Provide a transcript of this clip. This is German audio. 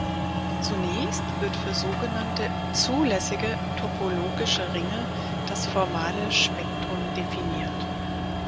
Zunächst wird für sogenannte "zulässige" topologische Ringe das formale Spektrum definiert.